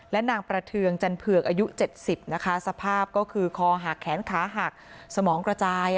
และนางประเทืองจันเผือกอายุ๗๐นะคะสภาพก็คือคอหักแขนขาหักสมองกระจาย